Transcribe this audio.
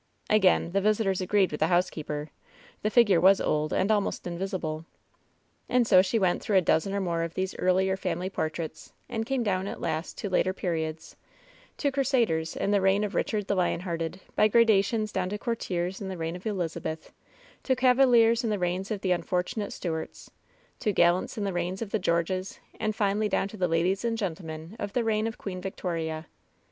Again the visitors agreed with the housekeeper. The figure was old and almost invisible. And so she went through a dozen or more of these earlier family portraits, and came down at last to later periods, to crusaders in the reign of Eichard the Lion hearted, by gradations down to courtiers in the reign of Elizabeth, to cavaliers in the reigns of the unfortunate Stuarts, to gallants in the reigns of the Georges, and finally down to the ladies and gentlemen of the reign of Queen Victoria.